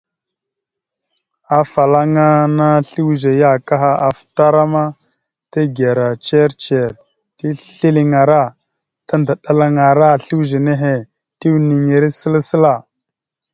Afalaŋana slʉze ya kaha afətaràma tagəra ndzir ndzir ticeliŋalara tandaɗalalaŋara slʉze nehe tiweniŋire səla səla.